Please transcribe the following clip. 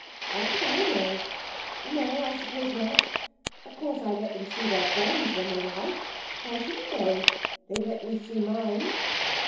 'How should I know? No; I suppose not. Of course, I let them see their friends when they like. Why shouldn't they? They let me see mine.'